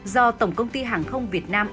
do tổng công ty hàng không việt nam